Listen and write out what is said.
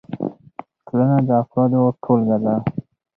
ټولنه د افرادو ټولګه ده.